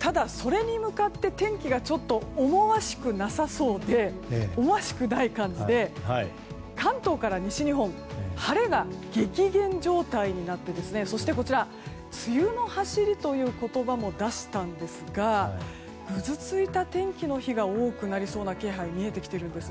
ただ、それに向かって天気がちょっと思わしくない感じで関東から西日本晴れが激減状態になってそして、梅雨の走りという言葉も出したんですがぐずついた天気の日が多くなりそうな気配が見えてきているんです。